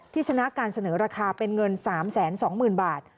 ชนะการเสนอราคาเป็นเงิน๓๒๐๐๐บาท